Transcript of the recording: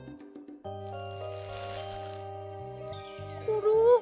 コロ？